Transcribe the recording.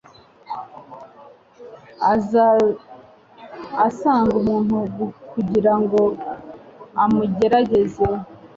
aza asanga umuntu kugira ngo amugerageze,